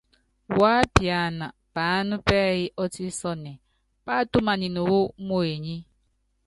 Wu ápiana paána pɛ́yí ɔ́tísɔnɛ, páátúmanini wú muenyi.